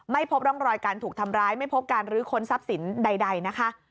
ไม่พบร่องรอยการถูกทำร้ายไม่พบการรื้อค้นทรัพย์สินใดนะคะ